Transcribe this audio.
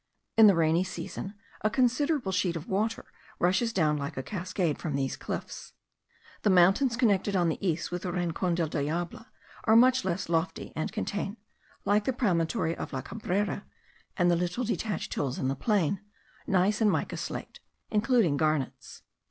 In the rainy season, a considerable sheet of water rushes down like a cascade from these cliffs. The mountains connected on the east with the Rincon del Diablo, are much less lofty, and contain, like the promontory of La Cabrera, and the little detached hills in the plain, gneiss and mica slate, including garnets.